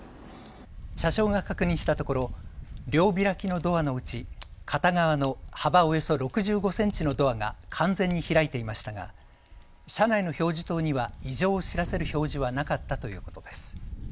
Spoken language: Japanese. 車掌が確認したところ、両開きのドアのうち片側の幅およそ６５センチのドアが完全に開いていましたが車内の表示灯には異常を知らせる表示はなかったということです。